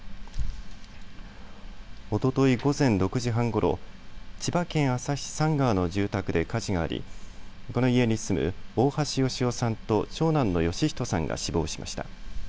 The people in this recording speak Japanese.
おととい午前６時半ごろ、千葉県旭市三川の住宅で火事がありこの家に住む大橋芳男さんと長男の芳人さんが死亡しました。